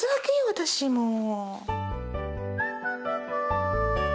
私もう。